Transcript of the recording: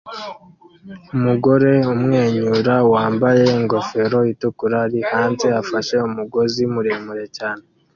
Umugore umwenyura wambaye ingofero itukura ari hanze afashe umugozi muremure cyane